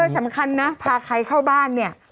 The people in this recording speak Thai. สำคัญนะพาใครเข้าบ้านเนี่ย